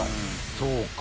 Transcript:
そうか。